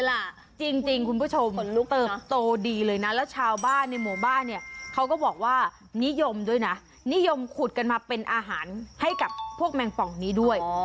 ล่ะจริงคุณผู้ชมขนลุกเติบโตดีเลยนะแล้วชาวบ้านในหมู่บ้านเนี่ยเขาก็บอกว่านิยมด้วยนะนิยมขุดกันมาเป็นอาหารให้กับพวกแมงป่องนี้ด้วย